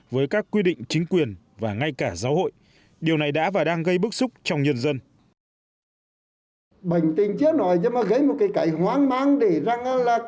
với các quy định chính quyền và ngay cả giáo hội điều này đã và đang gây bức xúc trong nhân dân